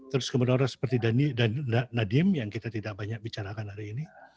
terus kemudian orang seperti dan nadiem yang kita tidak banyak bicarakan hari ini